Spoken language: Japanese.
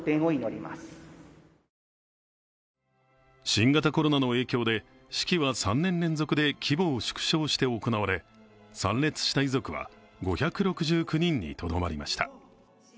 新型コロナの影響で式は３年連続で規模を縮小して行われ、参列した遺族は５６９人にとどまりました。